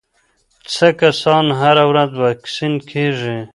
څه کسان هره ورځ واکسین کېږي؟